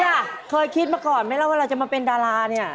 เราเคยคิดมาก่อนไหมละว่าเราจะมาเป็นดารา